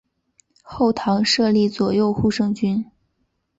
后唐设立左右护圣军。